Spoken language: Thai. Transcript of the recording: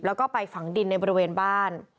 แล้วก็ไปฝังดินในบริเวณบ้าน